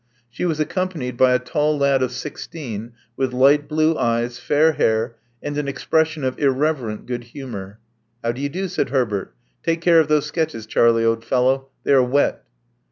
She was accompanied by a tall lad of sixteen, with light blue eyes, fair hair, and an expression of irreverent good humor. How do you do?" said Herbert. '*Take care of those sketches, Charlie, old fellow. They are wet."